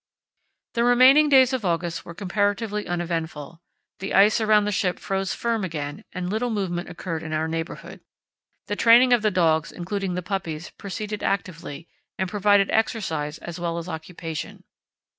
The remaining days of August were comparatively uneventful. The ice around the ship froze firm again and little movement occurred in our neighbourhood. The training of the dogs, including the puppies, proceeded actively, and provided exercise as well as occupation.